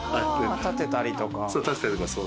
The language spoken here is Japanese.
そう立てたりとか。